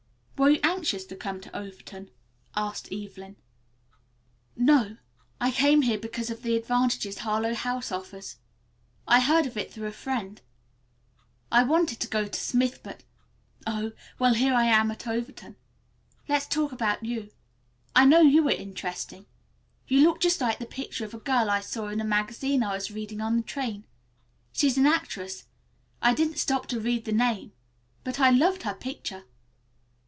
"Were you anxious to come to Overton?" asked Evelyn. "No. I came here because of the advantages Harlowe House offers. I heard of it through a friend. I wanted to go to Smith, but oh, well, here I am at Overton. Let's talk about you. I know you are interesting. You look just like the picture of a girl I saw in a magazine I was reading on the train. She is an actress. I didn't stop to read her name, but I loved her picture.